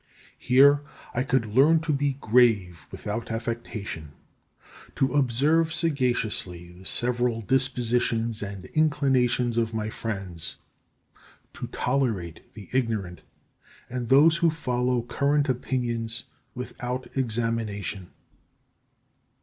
Here I could learn to be grave without affectation, to observe sagaciously the several dispositions and inclinations of my friends, to tolerate the ignorant and those who follow current opinions without examination.